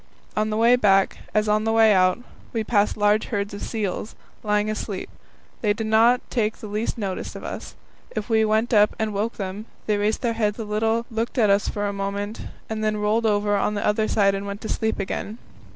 On the way back, as on the way out, we passed large herds of seals, lying asleep. They did not take the least notice of us. If we went up and woke them, they just raised their heads a little, looked at us for a moment, and then rolled over on the other side and went to sleep again.